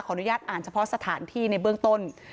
อนุญาตอ่านเฉพาะสถานที่ในเบื้องต้น